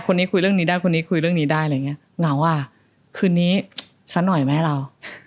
คนนี้คุยเรื่องนี้ได้คนนี้คุยเรื่องนี้ได้อะไรอย่างเงี้เหงาอ่ะคืนนี้สักหน่อยไหมเรา